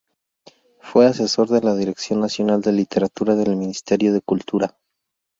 Fue asesor de la Dirección Nacional de Literatura del Ministerio de Cultura.